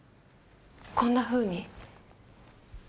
こんなふうに。